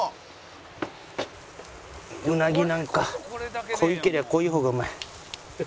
ウナギなんか濃いけりゃ濃い方がうまい。